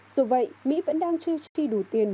dù vậy mỹ vẫn đang chưa chi đủ tiền